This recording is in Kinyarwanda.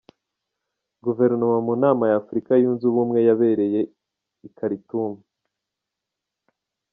Guverinoma mu nama ya Afurika yunze Ubumwe yabereye i Karitumu,